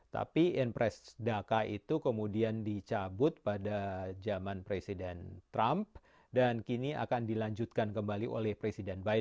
tapi inpres dhaka itu kemudian dicabut pada zaman presiden trump dan kini akan dilanjutkan kembali oleh presiden biden